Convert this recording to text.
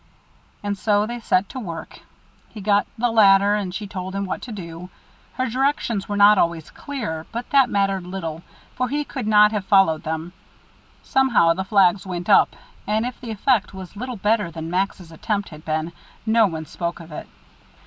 And so they set to work. He got the ladder and she told him what to do. Her directions were not always clear, but that mattered little, for he could not have followed them. Somehow the flags went up, and if the effect was little better than Max's attempt had been, no one spoke of it.